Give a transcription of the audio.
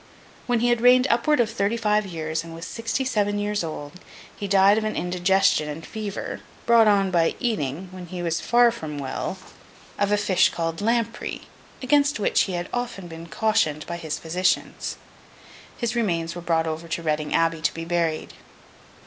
When he had reigned upward of thirty five years, and was sixty seven years old, he died of an indigestion and fever, brought on by eating, when he was far from well, of a fish called Lamprey, against which he had often been cautioned by his physicians. His remains were brought over to Reading Abbey to be buried.